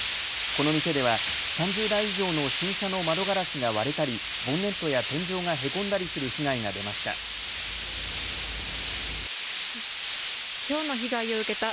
この店では３０台以上の新車の窓ガラスが割れたりボンネットや天井がへこんだりする被害が出ました。